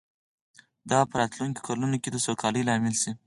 دا به په راتلونکو کلونو کې د سوکالۍ لامل شي